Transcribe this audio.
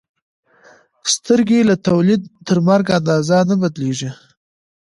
سترګې له تولد تر مرګ اندازه نه بدلېږي.